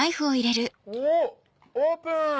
おっオープン！